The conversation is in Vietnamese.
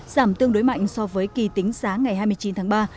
giảm tương đối mạnh so với kỳ tính giá ngày hai mươi chín tháng ba